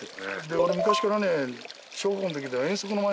で俺昔からね。